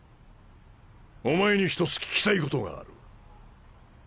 お前に１つ聞きたいことがある。